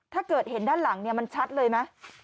ถ้าเกิดเห็นด้านหลังเนี่ยมันชัดเลยไหม